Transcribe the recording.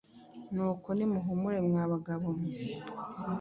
Nuko nimuhumure mwa bagabo mwe,